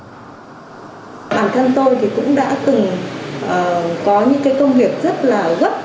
có những công việc rất là gấp